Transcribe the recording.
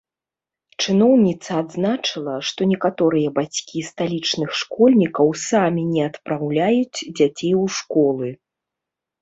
Чыноўніца адзначыла, што некаторыя бацькі сталічных школьнікаў самі не адпраўляюць дзяцей у школы.